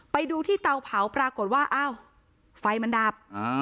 ไปดูที่เตาเผาปรากฏว่าอ้าวไฟมันดับ